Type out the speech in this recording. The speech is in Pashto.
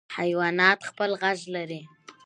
حیوانات خپل غږ لري.